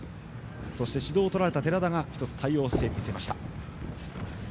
そして、指導をとられた寺田が１つ、対応してみせました。